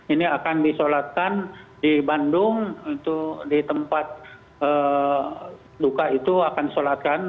ini akan disolatkan di bandung untuk di tempat duka itu akan disolatkan